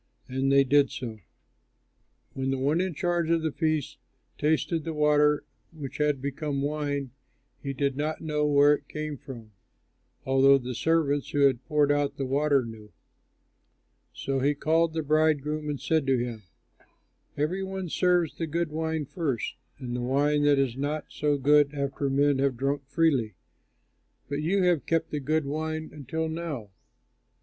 And they did so. When the one in charge of the feast tasted the water which had become wine, he did not know where it came from (although the servants who had poured out the water knew), so he called the bridegroom and said to him, "Every one serves the good wine first, and the wine that is not so good after men have drunk freely; but you have kept the good wine until now."